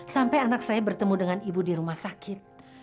sampai anak saya bertemu dengan ibu di rumah sakit